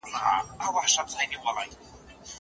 په شريعت کي د فردي ملکيت دفاع سوې ده.